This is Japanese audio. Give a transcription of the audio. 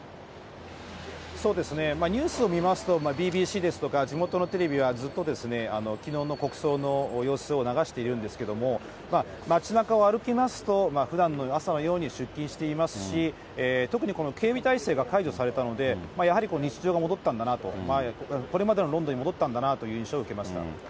そうですね、ニュースを見ますと、ＢＢＣですとか、地元のテレビはずっとですね、きのうの国葬の様子を流しているんですけれども、街なかを歩きますと、ふだんの朝のように出勤していますし、特にこの警備体制が解除されたので、やはり日常が戻ったんだなと、これまでのロンドンに戻ったんだなという印象を受けました。